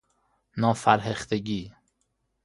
نافرهختگی